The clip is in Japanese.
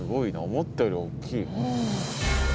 思ったよりおっきい。